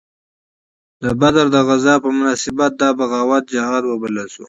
د بدر د غزا په مناسبت دا بغاوت جهاد وبلل شو.